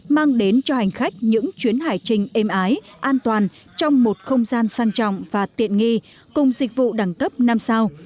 mang đến cho hành khách những chuyến hải trình êm ái an toàn trong một không gian sang trọng và tiện nghi cùng dịch vụ đẳng cấp năm sao